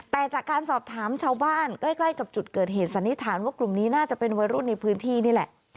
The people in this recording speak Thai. แต่จากการสอบถามชาวบ้านใกล้กับจุดเกิดเหตุสันนิษฐานว่ากลุ่มนี้น่าจะเป็นวัยรุ่นในพื้นที่นี่แหละ